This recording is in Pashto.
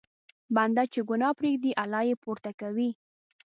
بنده چې ګناه پرېږدي، الله یې پورته کوي.